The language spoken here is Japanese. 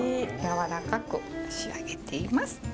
やわらかく仕上げています。